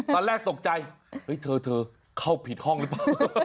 ตอนแรกตกใจเฮ้ยเธอเข้าผิดห้องหรือเปล่า